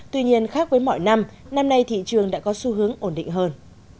tuy nhiên khác với mọi năm năm nay thị trường đã có xu hướng ổn định hơn